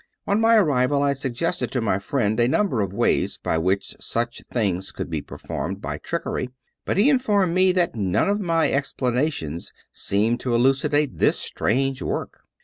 On my arrival I suggested to my friend a number of ways by which such things could be performed by trickery, but he informed me that none of my explana tions seemed to elucidate this strange work.